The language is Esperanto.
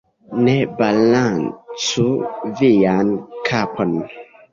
Ne balancu vian kapon.